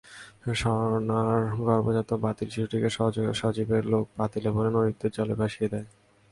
স্বর্ণার গর্ভজাত বাতিল শিশুটিকে সজীবের লোক পাতিলে ভরে নদীর জলে ভাসিয়ে দেয়।